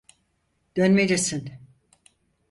Dönmelisin.